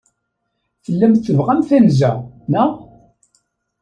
Tellamt tebɣamt anza, naɣ?